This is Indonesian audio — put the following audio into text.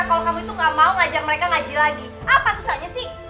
kalau kamu itu gak mau ngajar mereka ngaji lagi apa susahnya sih